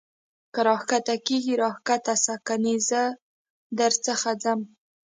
که را کښته کېږې را کښته سه کنې زه در څخه ځم.